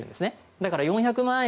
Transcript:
だから４００万円